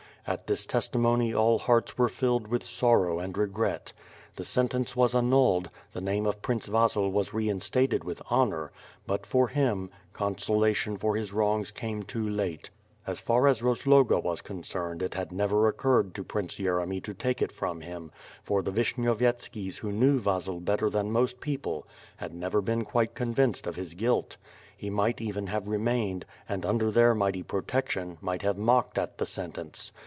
At this testi mony all hearts were filled with sorrow and regret. The sen tence was annulled, the name of Prince Vasil was reinstated with honor, but for him, consolation for his wrongs came too late. As far as Rozloga was concerned it had never occurred to Prince Yeremy to take it from him, for the Vishnyovyet skis who knew Vasil better than most people had never been quite convinced of his guilt. He might even have remained, and under their mighty protection, might have mocked at the sentence.